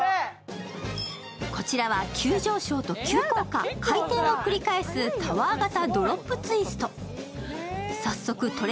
こちらは急上昇と急降下、回転をくり返すタワー型ドロップツイスト。